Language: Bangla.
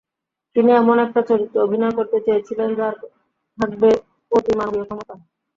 তিনি এমন একটা চরিত্রে অভিনয় করতে চেয়েছিলেন, যার থাকবে অতিমানবীয় ক্ষমতা।